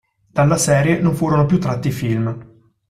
Dalla serie non furono più tratti film.